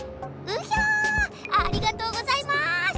うひゃありがとうございます！